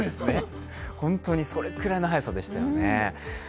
本当に、それくらいの速さでしたよね。